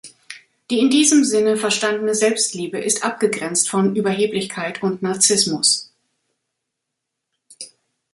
Die in diesem Sinne verstandene Selbstliebe ist abgegrenzt von Überheblichkeit und Narzissmus.